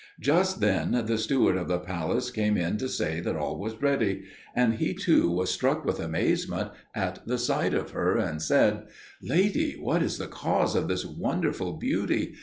Just then the steward of the palace came in to say that all was ready, and he too was struck with amazement at the sight of her, and said, "Lady, what is the cause of this wonderful beauty?